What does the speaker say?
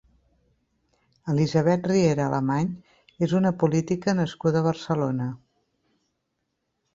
Elisabet Riera Alemany és una política nascuda a Barcelona.